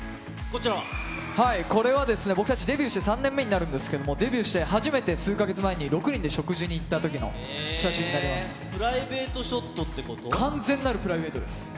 これは、僕たち、デビューして３年目になるんですけれども、デビューして初めて数か月前に６人で食事に行ったときの写真になプライベートショットってこ完全なるプライベートです。